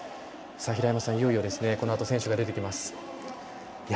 平山さん、いよいよこのあと選手、出てきます。